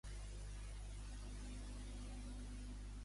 Quines tres reencarnacions se li atribueixen a Lakxmi?